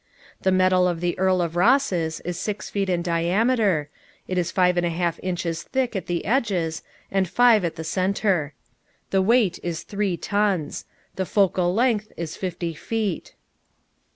The metal of the Earl of Ross's is 6 feet diameter; it is 5 1/2 inches thick at the edges, and 5 at the centre. The weight is 3 tons. The focal length is 50 feet.